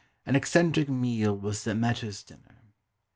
An eccentric meal was the mehter's dinner.